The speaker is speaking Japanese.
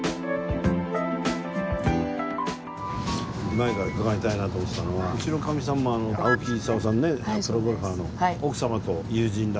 前から伺いたいなと思ってたのはうちのかみさんが青木功さんねプロゴルファーの。